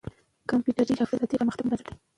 کمپيوټري حافظه د دې پرمختګ مهم بنسټ دی.